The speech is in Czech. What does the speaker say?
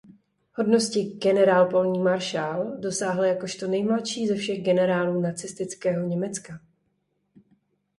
Hodnosti "generál polní maršál" dosáhl jakožto nejmladší ze všech generálů nacistického Německa.